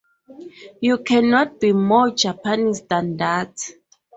You cannot be more Japanese than that.